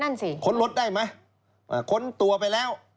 นั่นสิค้นรถได้ไหมค้นตัวไปแล้ว